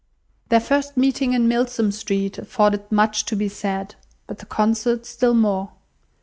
'" Their first meeting in Milsom Street afforded much to be said, but the concert still more.